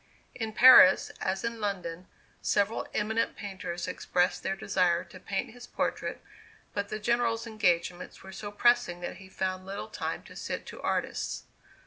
In Paris, as in London, several eminent painters expressed their desire to paint his portrait, but the General's engagements were so pressing that he found little time to sit to artists.